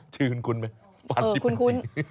ชื่นคุณไหมฝันที่เป็นจริง